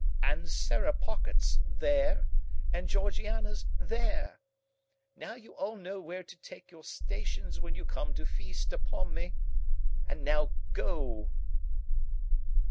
And Sarah Pocket's there! And Georgiana's there! Now you all know where to take your stations when you come to feast upon me. And now go!"